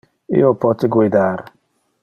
Io pote guidar.